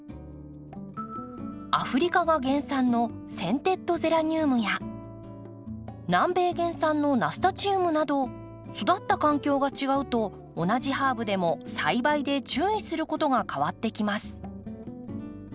アフリカが原産のセンテッドゼラニウムや南米原産のナスタチウムなど育った環境が違うと同じハーブでも栽培で注意することが変わってきます。